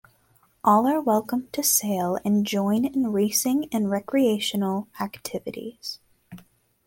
All are welcome to sail and join in racing and recreational activities.